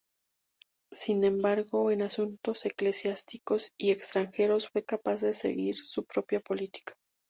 Sin embargo en asuntos eclesiásticos y extranjeros fue capaz de seguir su propia política.